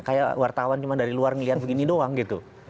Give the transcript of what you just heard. kayak wartawan cuma dari luar ngelihat begini doang gitu